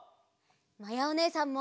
まやおねえさんも！